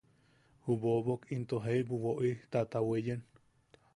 Ju Bobok into jaibu woi taʼata weyen.